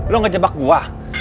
lo gak jebak gua